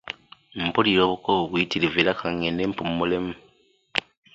Mpulira abukoowu buyitirivu era ka ngende mpummulemu.